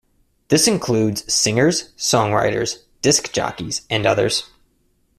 This includes singers, songwriters, disc jockeys, and others.